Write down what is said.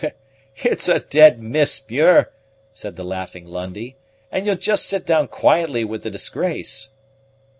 "It's a dead miss, Muir," said the laughing Lundie; "and ye'll jist sit down quietly with the disgrace."